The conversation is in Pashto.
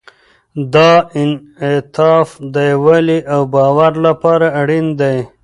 دا انعطاف د یووالي او باور لپاره اړین دی.